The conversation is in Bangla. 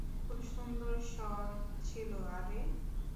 খুব সুন্দর শট ছিলো, -আরে!